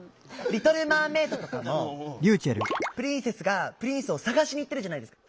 「リトルマーメイド」とかもプリンセスがプリンスを探しに行ってるじゃないですか。